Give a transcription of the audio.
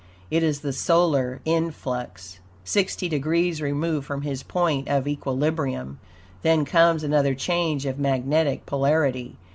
It is the solar influx, sixty degrees removed from his point of equilibrium. Then comes another change of magnetic polarity.